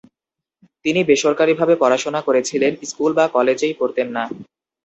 তিনি বেসরকারীভাবে পড়াশোনা করেছিলেন, স্কুল বা কলেজেই পড়তেন না।